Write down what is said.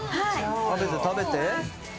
食べて食べて。